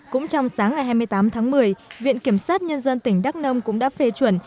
cũng trong sáng ngày hai mươi tám tháng một mươi viện kiểm sát nhân dân tỉnh đắk nông cũng đã phê chuẩn